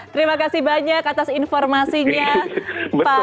terima kasih banyak atas informasinya pak